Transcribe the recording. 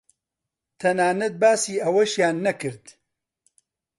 تەنانەت باسی ئەوەشیان نەکرد